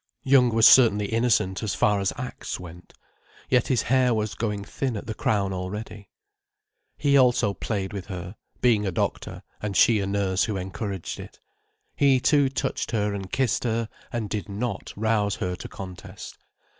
Young was certainly innocent as far as acts went. Yet his hair was going thin at the crown already. He also played with her—being a doctor, and she a nurse who encouraged it. He too touched her and kissed her: and did not rouse her to contest.